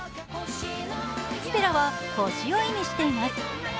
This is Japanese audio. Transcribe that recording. ステラは星を意味しています。